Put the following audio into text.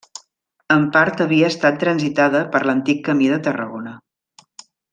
En part havia estat transitada per l'antic camí de Tarragona.